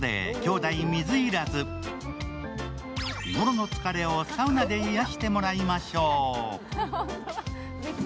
日頃の疲れをサウナで癒してもらいましょう。